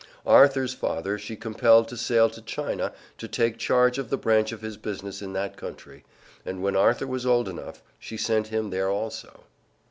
Arthur's father she compelled to sail to China, to take charge of the branch of his business in that country, and when Arthur was old enough, she sent him there also.